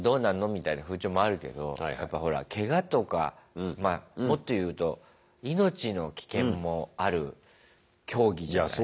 みたいな風潮もあるけどやっぱほらけがとかもっと言うと命の危険もある競技じゃない？